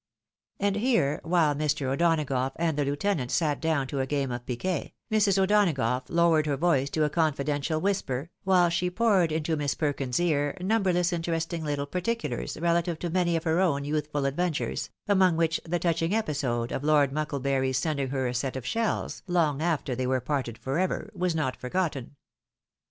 And here, while Mr. O'Donagough and the lieutenant sat down to a game of piquet, Mrs. O'Donagough lowered her voice to a confidential whisper, while she poured into Miss Perkins's ear numberless interesting Uttle particulars relative to many of her own youthful adventures, among which the touch ing episode of Lord Mucklebury's sending her a set of shells, long after they were parted for ever, was not forgotten.